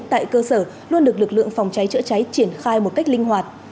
tại cơ sở luôn được lực lượng phòng cháy chữa cháy triển khai một cách linh hoạt